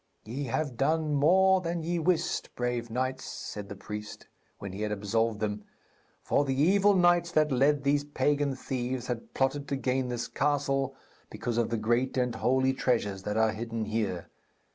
'Ye have done more than ye wist, brave knights,' said the priest, when he had absolved them; 'for the evil knights that led these pagan thieves had plotted to gain this castle because of the great and holy treasures that are hidden here.